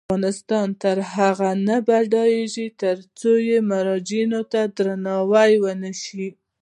افغانستان تر هغو نه ابادیږي، ترڅو د مراجعینو درناوی ونشي.